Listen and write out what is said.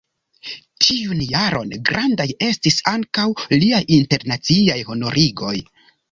Tiun jaron grandaj estis ankaŭ liaj internaciaj honorigoj.